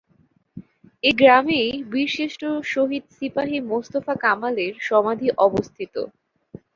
এ গ্রামেই বীরশ্রেষ্ঠ শহীদ সিপাহী মোস্তফা কামালের সমাধি অবস্থিত।